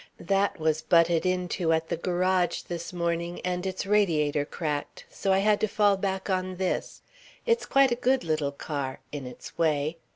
That was butted into at the garage this morning and its radiator cracked. So I had to fall back on this. It's quite a good little car. In its way.